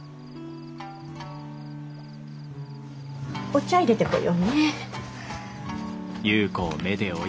お茶いれてこようね。